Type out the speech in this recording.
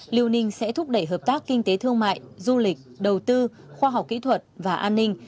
liêu ninh sẽ thúc đẩy hợp tác kinh tế thương mại du lịch đầu tư khoa học kỹ thuật và an ninh